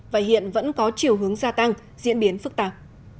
và hiện vẫn có chiều hướng gia tăng diễn biến phức tạp